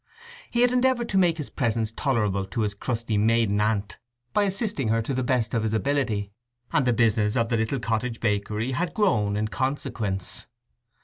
He had endeavoured to make his presence tolerable to his crusty maiden aunt by assisting her to the best of his ability, and the business of the little cottage bakery had grown in consequence.